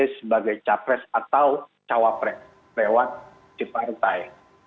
sebagai capres atau cawaprek lewat si partai